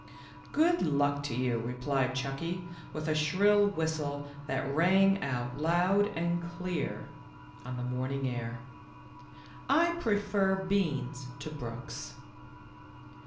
" Good luck to you," replied Chucky, with a shrill whistle that rang out loud and clear 36 THE LITTLE FORESTERS. on the morning air. "I prefer beans to brooks."